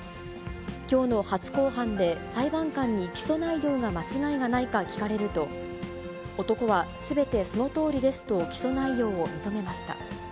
きょうの初公判で裁判官に起訴内容が間違いがないか聞かれると、男はすべてそのとおりですと起訴内容を認めました。